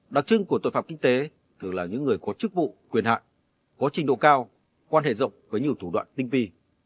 đặc trưng của tội phạm kinh tế thường là những người có chức vụ quyền hạn có trình độ cao quan hệ rộng với nhiều thủ đoạn tinh vi